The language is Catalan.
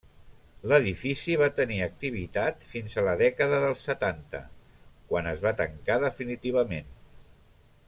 L'edifici va tenir activitat fins a la dècada dels setanta, quan es va tancar definitivament.